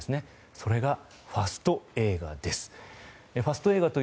それがファスト映画です。